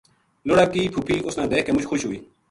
لُڑا کی پھُپی اس نا دیکھ کے مُچ خوش ہوئی